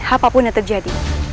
apapun yang terjadi